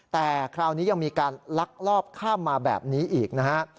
แต่คราวนี้ยังมีการลักลอบข้ามมาแบบนี้อีกนะฮะ